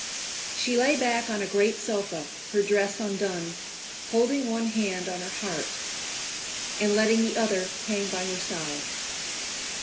She lay back on a great sofa, her dress undone, holding one hand on her heart, and letting the other hang by her side.